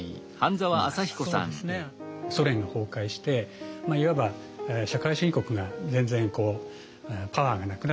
ソ連が崩壊していわば社会主義国が全然パワーがなくなってしまった。